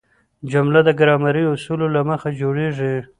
جمله د ګرامري اصولو له مخه جوړیږي.